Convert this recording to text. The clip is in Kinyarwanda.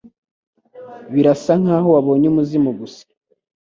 Birasa nkaho wabonye umuzimu gusa.